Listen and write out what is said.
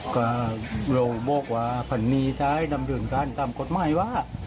ก็เราบอกว่าพันธุ์นี้จะให้ทำเรื่องการตามกฎหมายว่า